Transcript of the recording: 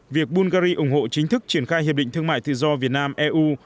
việc bungary ủng hộ chính thức triển khai hiệp định thương mại tự do việt nam eu